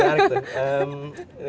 tanya yang menarik itu